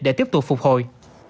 để tiếp tục phục hồi